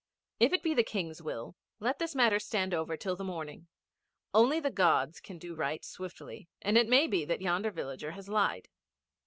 'If it be the King's will let this matter stand over till the morning. Only the Gods can do right swiftly, and it may be that yonder villager has lied.'